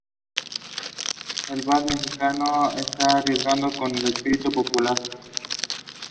El vals mexicano está arraigado con el espíritu popular.